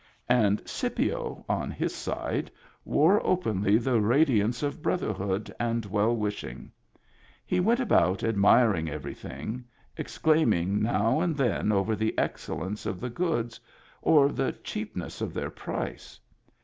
And Scipio on his side wore openly the radiance of brotherhood and well wish ing. He went about admiring everything, ex claiming now and then over the excellence of the goods, or the cheapness of their price.